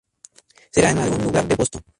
Será en algún lugar de Boston.